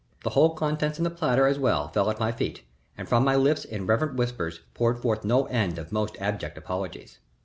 The whole contents and the platter as well fell at my feet, and from my lips in reverent whispers poured forth no end of most abject apologies.